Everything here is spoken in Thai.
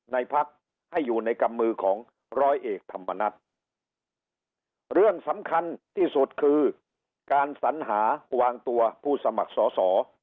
พักให้อยู่ในกำมือของร้อยเอกธรรมนัฐเรื่องสำคัญที่สุดคือการสัญหาวางตัวผู้สมัครสอสอ